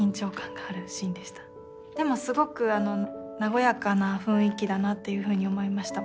でもすごく和やかな雰囲気だなっていうふうに思いました。